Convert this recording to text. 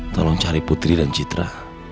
tolong cari putri dan citra